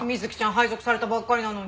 配属されたばっかりなのに。